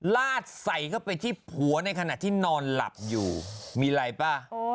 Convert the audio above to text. ลาดใส่เข้าไปที่ผัวในขณะที่นอนหลับอยู่มีอะไรป่ะ